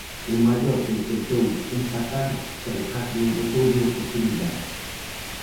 O Mallorca intentou empatar pero case non gozou de oportunidades.